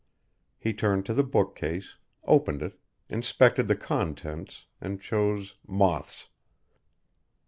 He turned to the bookcase, opened it, inspected the contents, and chose "Moths."